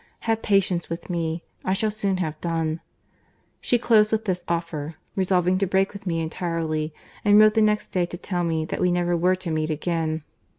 Have patience with me, I shall soon have done.—She closed with this offer, resolving to break with me entirely, and wrote the next day to tell me that we never were to meet again.